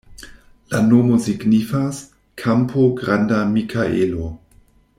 La nomo signifas: kampo-granda-Mikaelo.